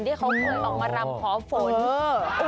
ที่เขาเหมือนต้องมารัมขอฝน